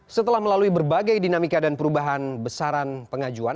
setelah melalui berbagai dinamika dan perubahan besaran pengajuan